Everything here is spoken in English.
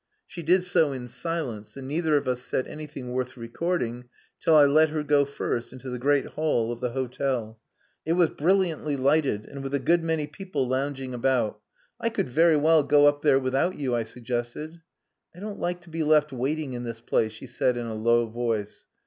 She did so in silence, and neither of us said anything worth recording till I let her go first into the great hall of the hotel. It was brilliantly lighted, and with a good many people lounging about. "I could very well go up there without you," I suggested. "I don't like to be left waiting in this place," she said in a low voice.